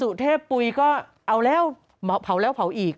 สุเทพปุ๋ยก็เอาแล้วเผาแล้วเผาอีก